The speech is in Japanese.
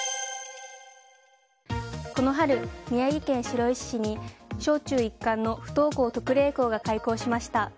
この春、宮城県白石市に小中一貫の不登校特例校が開校しました。